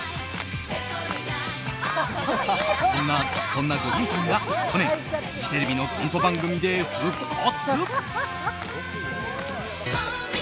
そんなゴリエさんが去年フジテレビのコント番組で復活。